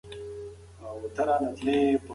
واوره په دانه دانه ډول په وورېدو وه.